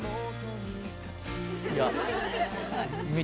いや。